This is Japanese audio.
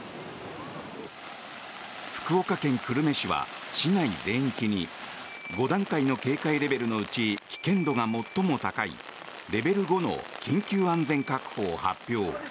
福岡県久留米市は市内全域に５段階の警戒レベルのうち危険度が最も高いレベル５の緊急安全確保を発表。